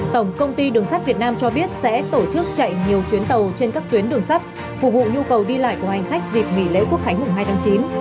tổng công ty đường sắt việt nam cho biết sẽ tổ chức chạy nhiều chuyến tàu trên các tuyến đường sắt phục vụ nhu cầu đi lại của hành khách dịp nghỉ lễ quốc khánh mùng hai tháng chín